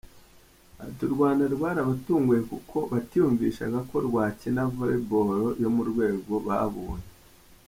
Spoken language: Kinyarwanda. Ati” U Rwanda rwarabatunguye kuko batiyumvishaga ko rwakina Volleyball yo mu rwego babonye.